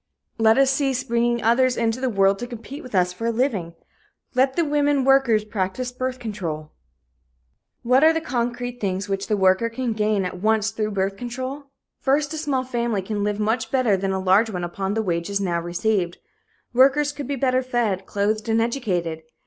Let us cease bringing others into the world to compete with us for a living. Let the women workers practice birth control. What are the concrete things which the worker can gain at once through birth control? First, a small family can live much better than a large one upon the wages now received. Workers could be better fed, clothed and educated.